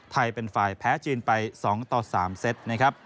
ไทยเป็นฝ่ายแพ้จีนไป๒ต่อ๓เซตนะครับ